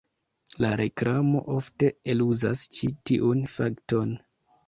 La reklamo ofte eluzas ĉi tiun fakton.